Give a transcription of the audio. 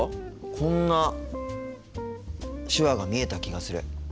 こんな手話が見えた気がする。